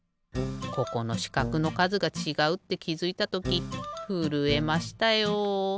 ここのしかくのかずがちがうってきづいたときふるえましたよ。